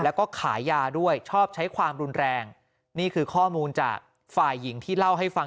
แล้วก็ขายยาด้วยชอบใช้ความรุนแรงนี่คือข้อมูลจากฝ่ายหญิงที่เล่าให้ฟัง